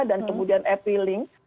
dan kemudian appealing